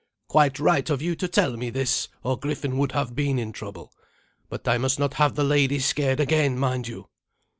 Quite right of you to tell me this, or Griffin would have been in trouble. But I must not have the lady scared again, mind you."